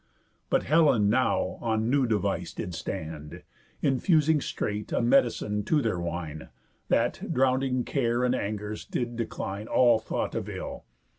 But Helen now on new device did stand, Infusing straight a medicine to their wine, That, drowning care and angers; did decline All thought of ill.